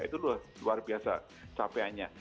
itu luar biasa capekannya